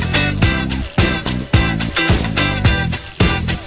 และนะครับ